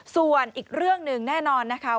ส่วนอีกเรื่องหนึ่งแน่นอนนะคะ